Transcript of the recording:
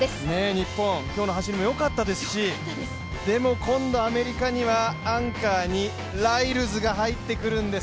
日本、今日の走りもよかったですしでも、今度アメリカにはアンカーにライルズが入ってくるです。